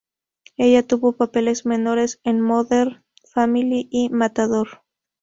Ella tuvo papeles menores en "Modern Family" y "Matador".